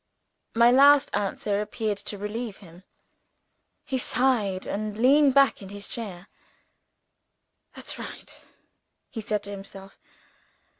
My last answer appeared to relieve him. He sighed, and leaned back in his chair. "That's right!" he said to himself.